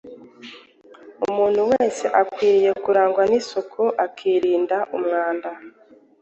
Umuntu wese akwiriye kurangwa n’isuku akirinda umwanda.